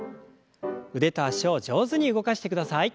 腕と脚を上手に動かしてください。